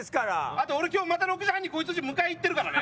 あと俺今日また６時半にこいつんちに迎え行ってるからね。